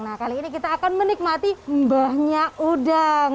nah kali ini kita akan menikmati mbahnya udang